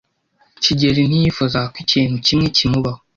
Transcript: kigeli ntiyifuzaga ko ikintu kimwe kimubaho.